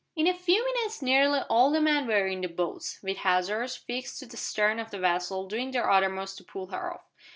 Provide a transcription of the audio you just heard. In a few minutes nearly all the men were in the boats, with hawsers fixed to the stern of the vessel, doing their uttermost to pull her off.